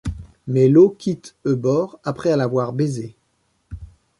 Mais l’eau quitte e bord après l’avoir baisé